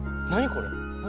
これ。